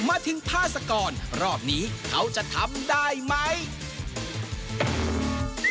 มาถึงพาสกรรอบนี้เขาจะทำได้ไหม